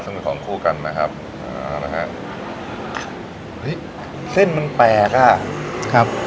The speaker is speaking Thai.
ซึ่งเป็นของคู่กันนะครับอ่านะฮะเฮ้ยเส้นมันแปลกอ่ะครับ